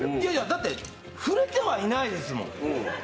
だって、触れてはいないですもん。